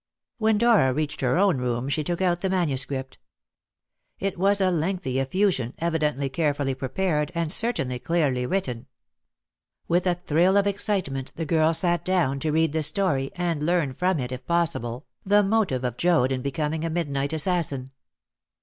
When Dora reached her own room, she took out the manuscript. It was a lengthy effusion, evidently carefully prepared, and certainly clearly written. With a thrill of excitement the girl sat down to read the story, and learn from it, if possible, the motive of Joad in becoming a midnight assassin.